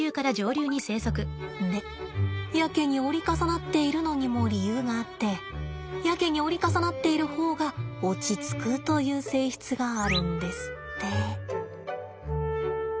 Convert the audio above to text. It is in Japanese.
でやけに折り重なっているのにも理由があってやけに折り重なっている方が落ち着くという性質があるんですって。